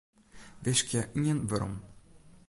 Wiskje ien werom.